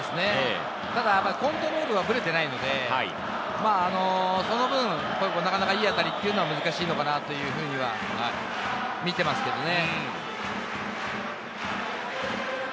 ただコントロールはブレていないので、その分、なかなかいい当たりというのは難しいのかなというふうには見ていますけどね。